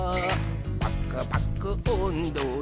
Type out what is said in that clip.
「パクパクおんどで」